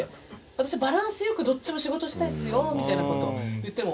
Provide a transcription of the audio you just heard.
「私はバランス良くどっちも仕事したいですよ」みたいな事を言っても。